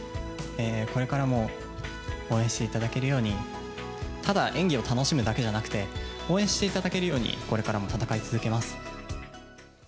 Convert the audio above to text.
これからも応援していただけるように、ただ演技を楽しむだけじゃなくて、応援していただけるように、これからも戦い続けます。